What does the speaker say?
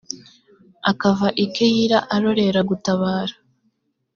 akava i keyila, arorera gutabara